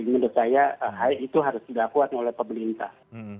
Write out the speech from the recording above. menurut saya hal itu harus dilakukan oleh pemerintah